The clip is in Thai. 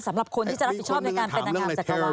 สำหรับคนที่จะรับผิดชอบในการเป็นนางงามจักรวาล